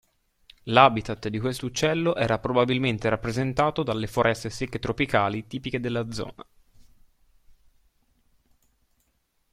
L"'habitat" di questo uccello era probabilmente rappresentato dalle foreste secche tropicali tipiche della zona.